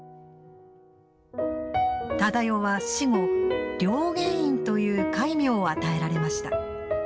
忠世は死後、了源院という戒名を与えられました。